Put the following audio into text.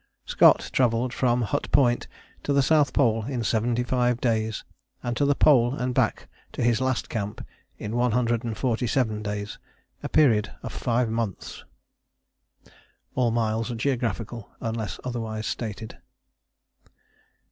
Scott travelled from Hut Point to the South Pole in 75 days, and to the Pole and back to his last camp in 147 days, a period of five months. A. C. G. (All miles are geographical unless otherwise stated.)